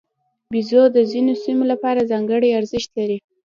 بیزو د ځینو سیمو لپاره ځانګړی ارزښت لري.